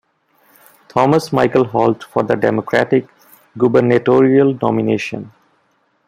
Thomas Michael Holt for the Democratic gubernatorial nomination.